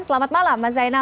selamat malam mbak zainal